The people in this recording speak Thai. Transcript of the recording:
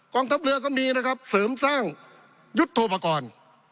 ทัพเรือก็มีนะครับเสริมสร้างยุทธโปรกรณ์